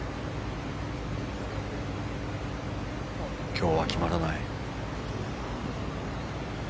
今日は決まらない。